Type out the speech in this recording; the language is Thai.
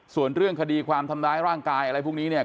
ส่วนเรื่องคดีความทำร้ายร่างกายอะไรพวกนี้เนี่ย